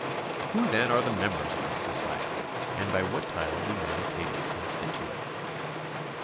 Who then are the members of this society, and by what title do men obtain entrance into it